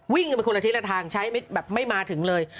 วิ่งกันไปคนละทิศละทางใช้มิตรแบบไม่มาถึงเลย